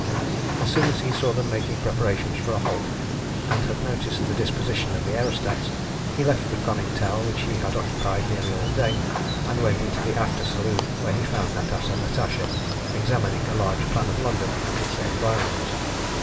As soon as he saw them making preparations for a halt, and had noticed the disposition of the aerostats, he left the conning tower which he had occupied nearly all day, and went into the after saloon, where he found Natas and Natasha examining a large plan of London and its environs.